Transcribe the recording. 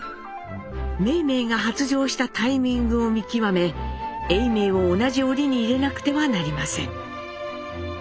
梅梅が発情したタイミングを見極め永明を同じ檻に入れなくてはなりません。